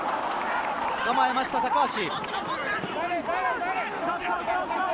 捕まえました、高橋。